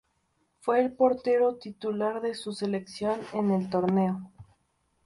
Fue el portero titular de su selección en el torneo.